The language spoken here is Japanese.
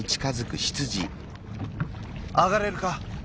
あがれるか？